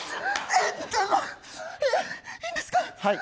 え、いいんですか。